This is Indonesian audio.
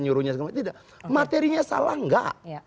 nyuruhnya tidak materinya salah enggak